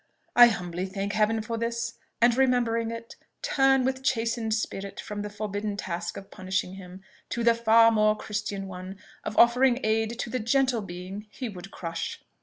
I humbly thank Heaven for this, and remembering it, turn with chastened spirit from the forbidden task of punishing him, to the far more Christian one of offering aid to the gentle being he would crush.